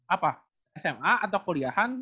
apa sma atau kuliahan